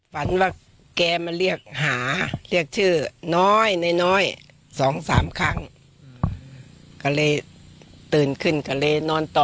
ฝันว่าแกมาเรียกหาเรียกชื่อน้อยน้อย๒๓ครั้งก็เลยตื่นขึ้นก็เลยนอนต่อ